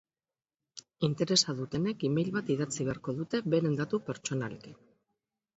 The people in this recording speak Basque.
Interesa dutenek e-mail bat idatzi beharko dute beren datu pertsonalekin.